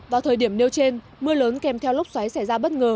vào thời điểm nêu trên mưa lớn kèm theo lốc xoáy xảy ra bất ngờ